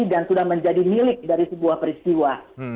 dan sudah menjadi milik dari sebuah peristiwa